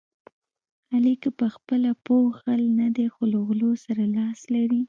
علي که په خپله پوخ غل نه دی، خو له غلو سره لاس لري.